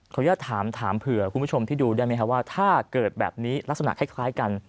อยากถามเผื่อคุณผู้ชมที่ดูได้ไหมครับว่าถ้าเกิดแบบนี้ลักษณะคล้ายกัน